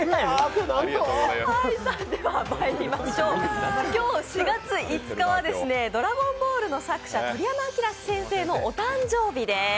ではまいりましょう、今日４月５日は「ドラゴンボール」の作者鳥山明先生のお誕生日です。